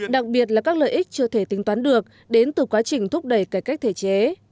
đặc biệt là các lợi ích chưa thể tính toán được đến từ quá trình thúc đẩy cải cách thể chế